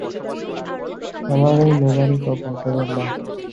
আমার ঐ নেবারই কপাল, দেবার নয়।